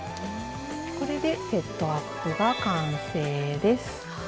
これでセットアップが完成です。